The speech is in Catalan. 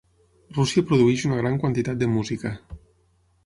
Rússia produeix una gran quantitat de música.